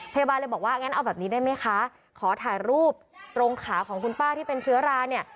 พยาบาลเลยบอกว่างั้นเอาแบบนี้ได้ไหมคะขอถ่ายรูปตรงขาของคุณป้าที่เป็นเชื้อราเนี่ย